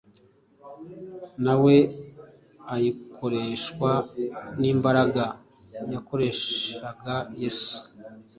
na we ayikoreshwa n’imbaraga yakoreshaga Yesu.